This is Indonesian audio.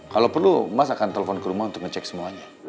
kalau perlu mas akan telepon ke rumah untuk ngecek semuanya